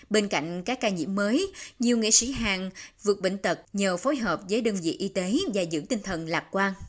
bên cạnh các ca nhiễm mới nhiều nghệ sĩ hàng vượt bệnh tật nhờ phối hợp với đơn vị y tế và giữ tinh thần lạc quan